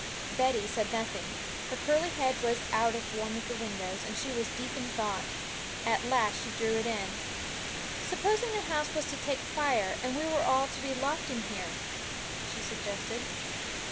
Betty said nothing; her curly head was out of one of the windows, and she was deep in thought. At last she drew it in. 'S'posing the house was to take fire, and we were all to be locked in here?' she suggested.